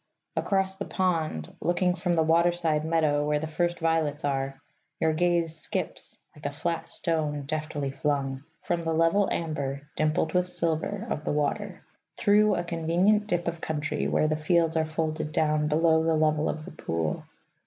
Across the pond, looking from the waterside meadow where the first violets are, your gaze skips (like a flat stone deftly flung) from the level amber (dimpled with silver) of the water, through a convenient dip of country where the fields are folded down below the level of the pool.